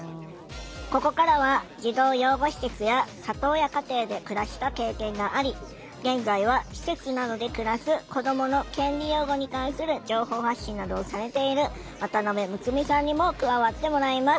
ここからは児童養護施設や里親家庭で暮らした経験があり現在は施設などで暮らす子どもの権利擁護に関する情報発信などをされている渡辺睦美さんにも加わってもらいます。